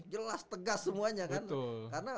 jelas tegas semuanya kan karena